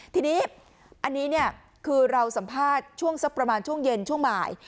ทีนี้อันนี้เนี่ยคือเราสัมภาษณ์ช่วงสักประมาณช่วงเย็นช่วงบ่าย